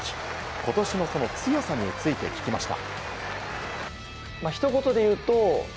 今年の強さについて聞きました。